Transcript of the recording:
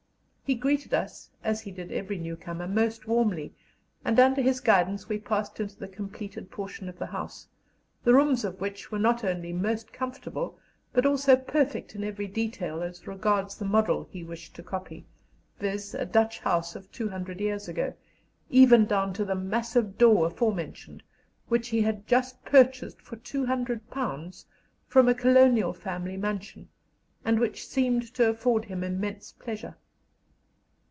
He greeted us, as he did every newcomer, most warmly, and under his guidance we passed into the completed portion of the house, the rooms of which were not only most comfortable, but also perfect in every detail as regards the model he wished to copy viz., a Dutch house of 200 years ago, even down to the massive door aforementioned, which he had just purchased for £200 from a colonial family mansion, and which seemed to afford him immense pleasure.